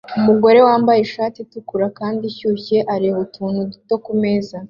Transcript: Umugore wambaye ishati itukura kandi ashyushye areba utuntu duto kumeza